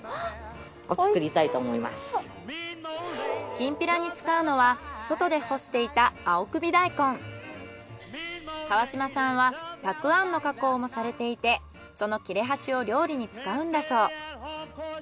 きんぴらに使うのは外で川島さんはたくあんの加工もされていてその切れ端を料理に使うんだそう。